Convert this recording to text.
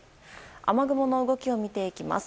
雨雲の動きを見ていきます。